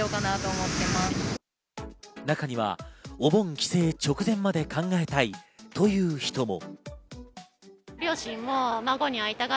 中にはお盆帰省、直前まで考えたいという人も。